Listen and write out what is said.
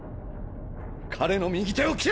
彼の右手を切れ！